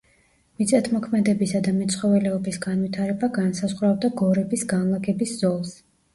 მიწათმოქმედებისა და მეცხოველეობის განვითარება განსაზღვრავდა გორების განლაგების ზოლს.